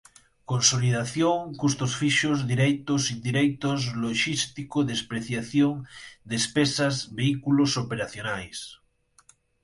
consolidação custos fixos diretos indiretos logístico depreciação despesas veículos operacionais